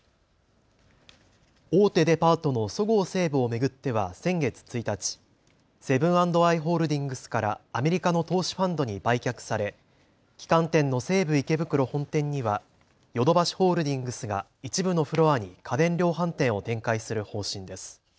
大手デパートのそごう・西武を巡っては先月１日、セブン＆アイ・ホールディングスからアメリカの投資ファンドに売却され、旗艦店の西武池袋本店にはヨドバシホールディングスが一部のフロアに家電量販店を展開する方針です。